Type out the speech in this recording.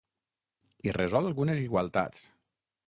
I resol algunes igualtats.